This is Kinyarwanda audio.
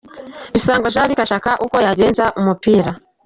Bisangwa Jean Luc ashaka uko yagenza umupira .